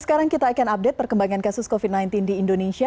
sekarang kita akan update perkembangan kasus covid sembilan belas di indonesia